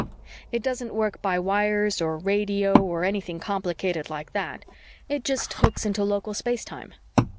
It doesn't work by wires or radio or anything complicated like that. It just hooks into local space time.